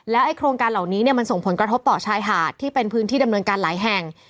ไอ้โครงการเหล่านี้มันส่งผลกระทบต่อชายหาดที่เป็นพื้นที่ดำเนินการหลายแห่ง